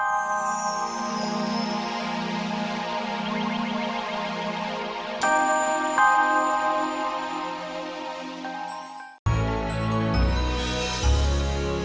sampai jumpa lagi